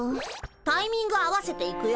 タイミング合わせていくよ。